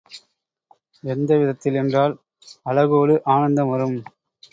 எந்த விதத்தில் என்றால், அழகோடு ஆனந்தம் வரும்.